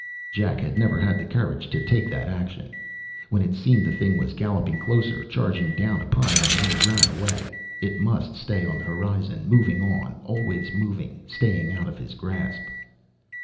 _ Jack had never had the courage to take that action. When it seemed the thing was galloping closer, charging down upon him, he ran away. It must stay on the horizon, moving on, always moving, staying out of his grasp.